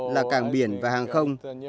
là cảng biển và hàng không